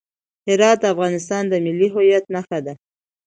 هرات د افغانستان د ملي هویت نښه ده.